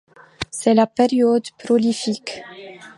C'est la période prolifique.